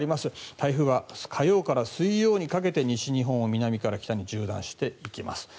台風は火曜から水曜にかけて西日本を南から北に縦断していきます。